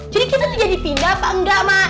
jadi kita tuh jadi pindah apa engga ma